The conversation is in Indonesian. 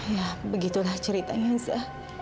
ya begitulah ceritanya za